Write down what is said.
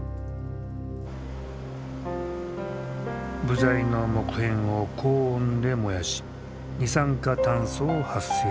部材の木片を高温で燃やし二酸化炭素を発生させる。